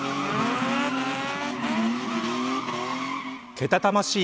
けたたましい